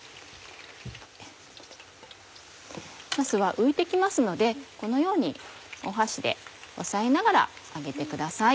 浮いて来ますのでこのように箸で押さえながら揚げてください。